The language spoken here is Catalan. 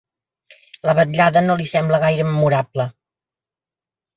La vetllada no li sembla gaire memorable.